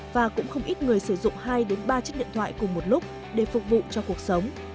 và cũng không ít người sử dụng hai ba chiếc điện thoại cùng một lúc để phục vụ cho cuộc sống